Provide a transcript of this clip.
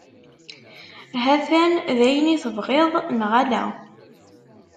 Hatan, d ayen i tebɣiḍ, neɣ ala?